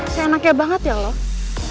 seenaknya banget ya lo